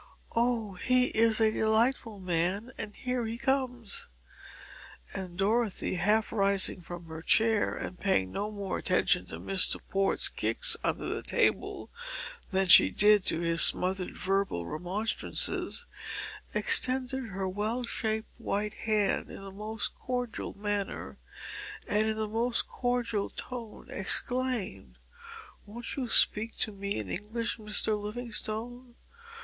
Oh, he is a delightful man and here he comes." And Dorothy, half rising from her chair, and paying no more attention to Mr. Port's kicks under the table than she did to his smothered verbal remonstrances, extended her well shaped white hand in the most cordial manner, and in the most cordial tone exclaimed: "Won't you speak to me in English, Mr. Livingstone?